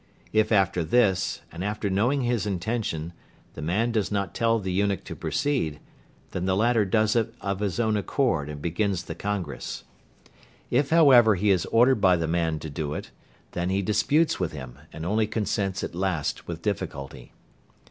If after this, and after knowing his intention, the man does not tell the eunuch to proceed, then the latter does it of his own accord and begins the congress. If however he is ordered by the man to do it, then he disputes with him, and only consents at last with difficulty.